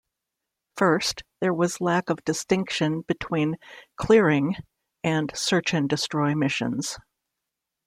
First, there was lack of distinction between "clearing" and search and destroy missions.